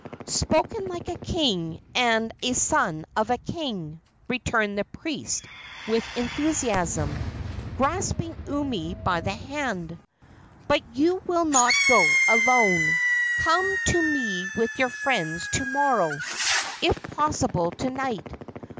"Spoken like a king and a son of a king!" returned the priest with enthusiasm, grasping Umi by the hand. "But you will not go alone. Come to me with your friends to morrow if possible to night.